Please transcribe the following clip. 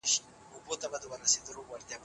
د بې بندوبارۍ مخالف و.